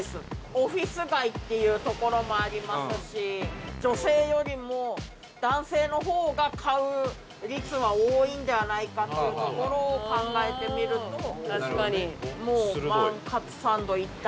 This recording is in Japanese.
オフィス街っていうところもありますし女性よりも男性の方が買う率は多いんではないかっていうところを考えてみるともう万かつサンド一択。